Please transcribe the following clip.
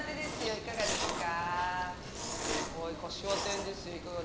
いかがですか。